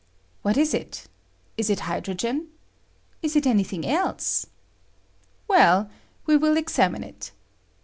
What is it? la it hydrogen? Is it any thing else? Well, we will examine it.